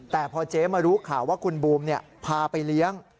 แต่พอเจ๊มารู้ข่าวว่าคุณบูมพาไปเลี้ยง